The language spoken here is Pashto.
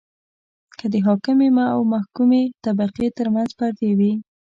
که د حاکمې او محکومې طبقې ترمنځ پردې وي.